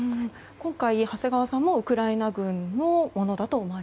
今回、長谷川さんもウクライナ軍のものだと？